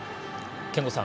憲剛さん